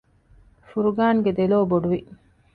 ފުރުޤާންގެ ދެލޯ ބޮޑުވި